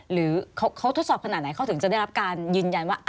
หรือเขาทดสอบขนาดไหนเขาถึงจะได้รับการยืนยันว่า